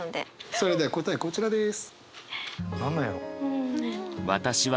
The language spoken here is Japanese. それでは答えこちらです。